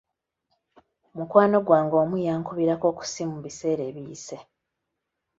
Mukwano gwange omu yankubirako ku ssimu mu biseera ebiyise.